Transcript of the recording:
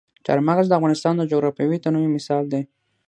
چار مغز د افغانستان د جغرافیوي تنوع یو مثال دی.